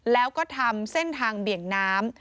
แล้วก็ทำเส้นทางเบี่ยงน้ำ